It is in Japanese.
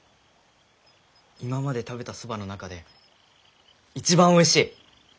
今まで食べたそばの中で一番おいしい！